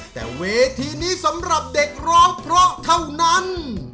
แต่เวทีนี้สำหรับเด็กร้องเพราะเท่านั้น